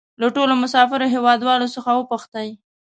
له ټولو مسافرو هېوادوالو څخه وپوښتئ.